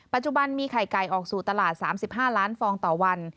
ปัจจุบันมีไข่ไก่ออกสู่ตลาด๓๕ล้านฟองต่อวัน